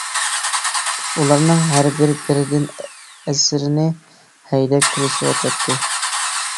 ئۇلارنىڭ ھەر بىرى بىردىن ئەسىرنى ھەيدەپ كېلىشىۋاتاتتى.